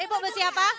ibu besi apa